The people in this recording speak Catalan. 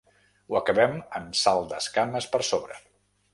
Ho acabem amb sal d’escames per sobre.